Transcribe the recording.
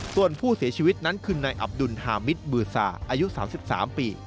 ส่วนผู้เสียชีวิตนั้นคือนายอับดุลฮามิตบือซาอายุ๓๓ปี